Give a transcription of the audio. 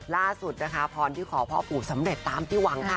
ล่าสุดนะคะพรที่ขอพ่อปู่สำเร็จตามที่หวังค่ะ